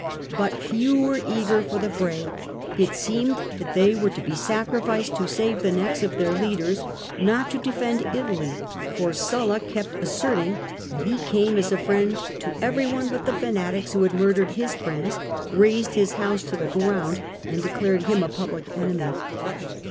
But few were eager for the fray. It seemed that they were to be sacrificed to save the necks of their leaders, not to defend Italy, for Sulla kept asserting that he came as a friend to every one but the fanatics who had murdered his friends, razed his house to the ground, and declared him a public enemy.